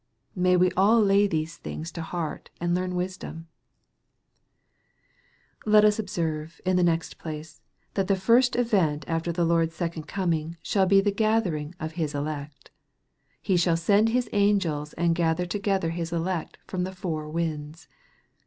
May we all lay these things to heart, and learn wisdom ! Let us observe, in the next place, that the first event after the Lord's second coming, shall be the gathering of His elect. " He shall send His angels and gather together His elect from the four winds."